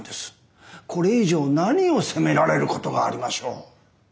これ以上何を責められることがありましょう。